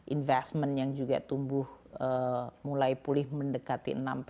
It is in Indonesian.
investment yang juga tumbuh mulai pulih mendekati enam empat